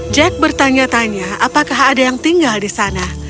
jack bertanya tanya apakah ada yang tinggal di sana